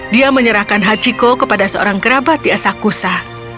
dia menyerahkan hachiko kepada seorang kerabat di asakusa